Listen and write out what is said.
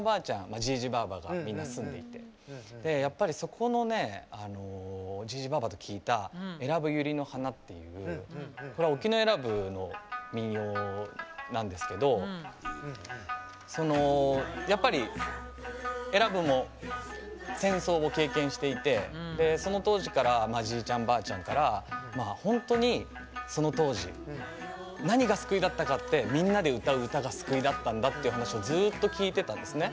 じいじばあばがみんな住んでいてやっぱりそこのねじいじばあばと聴いた「えらぶ百合の花」っていうこれは沖永良部の民謡なんですけどそのやっぱり永良部も戦争を経験していてその当時からじいちゃんばあちゃんからまあ本当にその当時何が救いだったかってみんなで歌う歌が救いだったんだっていう話をずっと聞いてたんですね。